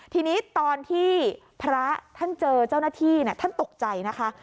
ทีนี้ตอนที่พระท่านเจอเจ้าหน้าที่ท่านตกใจนะคะ